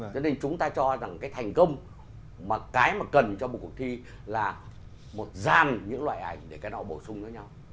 cho nên chúng ta cho rằng cái thành công mà cái mà cần cho một cuộc thi là một dàn những loại ảnh để cái đó bổ sung cho nhau